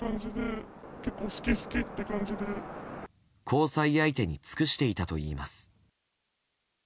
交際相手に尽くしていたといいます。